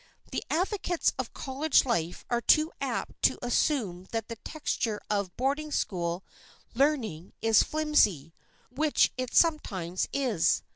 The advocates of college life are too apt to assume that the texture of boarding school learning is flimsy, which it sometimes is.